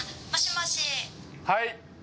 はい。